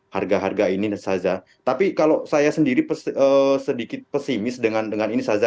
harga harga ini saza tapi kalau saya sendiri sedikit pesimis dengan dengan ini saja